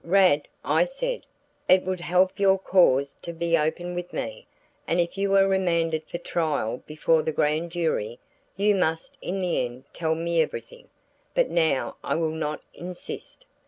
"Rad," I said, "it would help your cause to be open with me, and if you are remanded for trial before the grand jury you must in the end tell me everything. But now I will not insist.